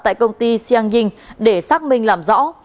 tại công ty siang dinh để xác minh làm rõ